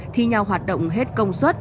thi nhau hoạt động hết công suất